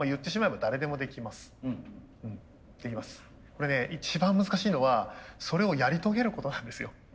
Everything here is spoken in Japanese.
これね一番難しいのはそれをやり遂げることなんですよ。